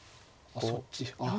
そっち。